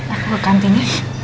aku ke kantin ya